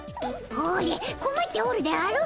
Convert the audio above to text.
ほれこまっておるであろう。